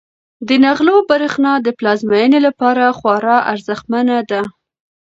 د نغلو برښنا د پلازمینې لپاره خورا ارزښتمنه ده.